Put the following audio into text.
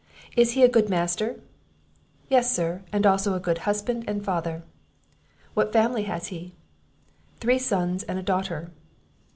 "Is he a good master?" "Yes, Sir, and also a good husband and father." "What family has he?" "Three sons and a daughter."